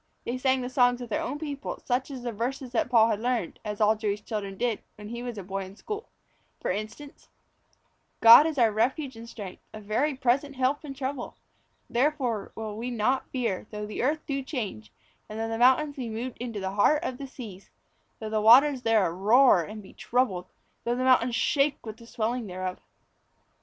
They sang the songs of their own people, such as the verses that Paul had learned as all Jewish children did when he was a boy at school. For instance God is our refuge and strength, A very present help in trouble. Therefore will we not fear, though the earth do change, And though the mountains be moved in the heart of the seas; Though the waters thereof roar and be troubled, Though the mountains shake with the swelling thereof.